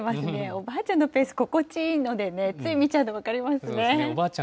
おばあちゃんのペース心地いいのでね、つい見ちゃうの分かりますね。